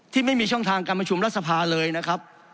ไม่มีช่องทางการประชุมรัฐสภาเลยนะครับ